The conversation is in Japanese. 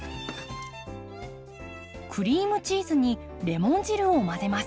クリームチーズにレモン汁を混ぜます。